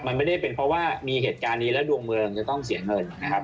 มันไม่ได้เป็นเพราะว่ามีเหตุการณ์นี้แล้วดวงเมืองจะต้องเสียเงินนะครับ